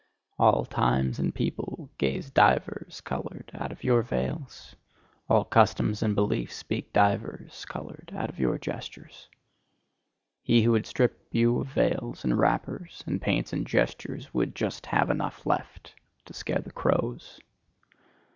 All times and peoples gaze divers coloured out of your veils; all customs and beliefs speak divers coloured out of your gestures. He who would strip you of veils and wrappers, and paints and gestures, would just have enough left to scare the crows.